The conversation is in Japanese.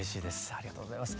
ありがとうございます。